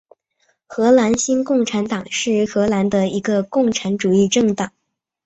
荷兰新共产党是荷兰的一个共产主义政党。